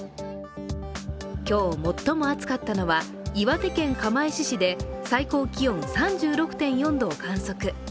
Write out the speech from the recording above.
今日最も暑かったのは、岩手県釜石市で最高気温３６．４度を観測。